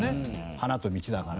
「花」と「道」だから。